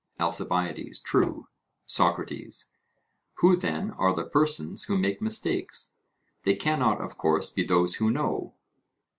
ALCIBIADES: True. SOCRATES: Who, then, are the persons who make mistakes? They cannot, of course, be those who know?